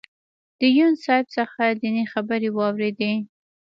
د یون صاحب څخه دینی خبرې واورېدې.